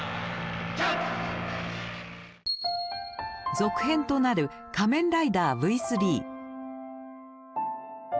続編となる「仮面ライダーＶ３」。